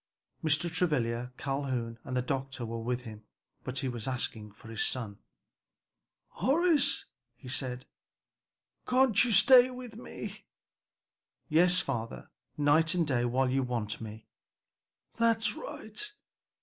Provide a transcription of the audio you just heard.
Mr. Travilla, Calhoun and the doctor were with him, but he was asking for his son. "Horace," he said, "can't you stay with me?" "Yes, father, night and day while you want me." "That's right!